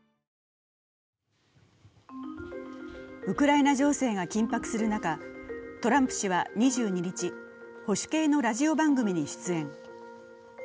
ウクライナ情勢が緊迫する中、トランプ氏は２２日、保守系のラジオ番組に出演。